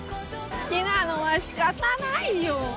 「好きなのは仕方ないよ」